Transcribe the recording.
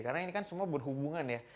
karena ini kan semua berhubungan ya